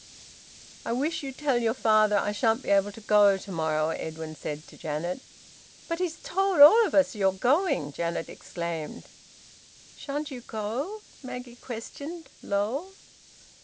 "I wish you'd tell your father I shan't be able to go to morrow," Edwin said to Janet. "But he's told all of us you are going!" Janet exclaimed. "Shan't you go?" Maggie questioned, low.